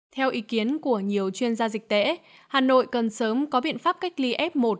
theo ý kiến của nhiều chuyên gia dịch tễ hà nội cần sớm có biện pháp cách ly f một